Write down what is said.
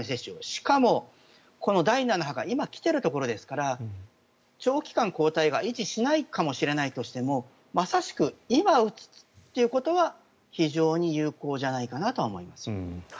しかもこの第７波が今来ているところですから長期間、抗体が維持しないかもしれないとしてもまさしく今打つということは非常に有効じゃないかなとは思います。